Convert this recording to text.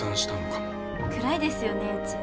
暗いですよねうち。